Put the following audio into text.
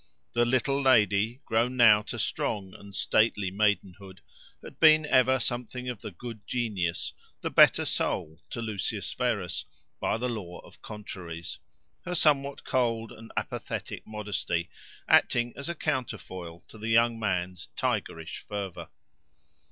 The little lady, grown now to strong and stately maidenhood, had been ever something of the good genius, the better soul, to Lucius Verus, by the law of contraries, her somewhat cold and apathetic modesty acting as counterfoil to the young man's tigrish fervour.